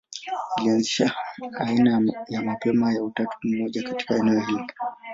Ilianzisha aina ya mapema ya utatu mmoja katika eneo hilo.